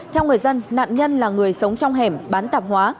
theo người dân nạn nhân là người sống trong hẻm bán tạp hóa